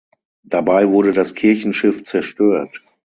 Dabei wurde das Kirchenschiff zerstört.